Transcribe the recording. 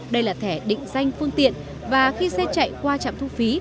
đây là thẻ định danh phương tiện và khi xe chạy qua trạm thu phí